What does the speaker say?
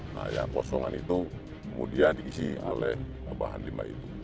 nah yang kosongan itu kemudian diisi oleh bahan limbah itu